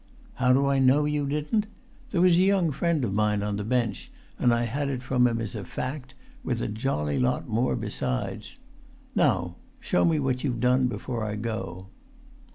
How do I know you didn't? There was a young friend of mine on the bench, and I had it from him as a fact, with a jolly lot more besides. Now show me what you've done before I go."